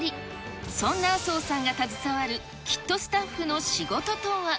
そんな麻生さんが携わるキットスタッフの仕事とは。